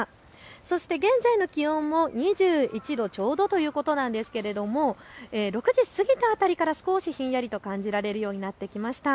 そして現在の気温も２１度ちょうどということなんですけれども６時過ぎた辺りから少しひんやりと感じられるようになってきました。